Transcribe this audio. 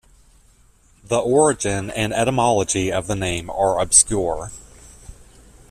The origin and etymology of the name are obscure.